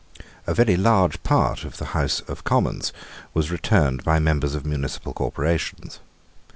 A very large part of the House of Commons was returned by members of municipal corporations.